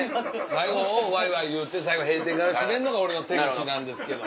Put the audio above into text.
最後ワイワイ言うて閉店ガラガラで締めんのが俺の手口なんですけど。